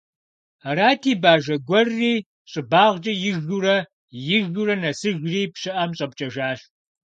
Арати Бажэ гуэрри щӀыбагъкӀэ ижурэ, ижурэ нэсыжри пщыӀэм щӀэпкӀэжащ.